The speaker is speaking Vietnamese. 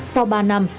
sau ba năm